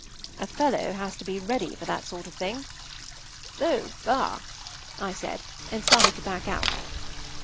A fellow has to be ready for that sort of thing. “Oh, ah!” I said, and started to back out.